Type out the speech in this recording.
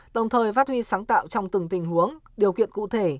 đồng thời phát huy sáng tạo trong từng tình huống điều kiện cụ thể